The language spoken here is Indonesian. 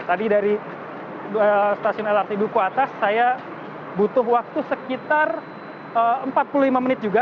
tadi dari stasiun lrt duku atas saya butuh waktu sekitar empat puluh lima menit juga